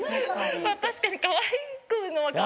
確かにかわいくも。